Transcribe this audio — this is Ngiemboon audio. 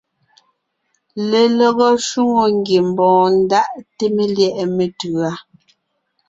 Lelɔgɔ shwòŋo ngiembɔɔn ndaʼte melyɛ̌ʼɛ metʉ̌a.